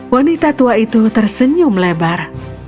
wanita tua itu tersenyum lebar